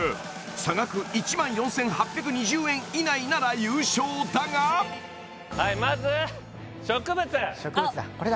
差額１万４８２０円以内なら優勝だがはいまず植物植物だ